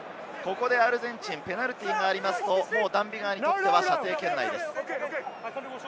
アルゼンチンはペナルティーがあるとダン・ビガーにとっては射程圏内です。